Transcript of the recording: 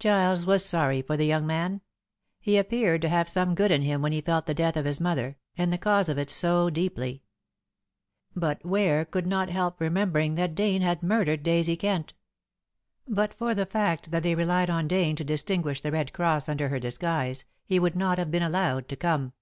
Giles was sorry for the young man. He appeared to have some good in him when he felt the death of his mother, and the cause of it, so deeply. But Ware could not help remembering that Dane had murdered Daisy Kent. But for the fact that they relied on Dane to distinguish The Red Cross under her disguise, he would not have been allowed to come.